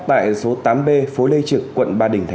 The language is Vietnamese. tại số tám b phố lê trực quận hai